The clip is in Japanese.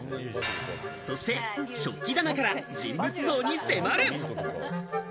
そして、食器棚から人物像に迫る。